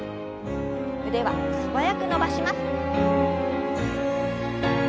腕は素早く伸ばします。